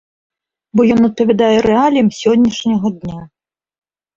Бо ён адпавядае рэаліям сённяшняга дня.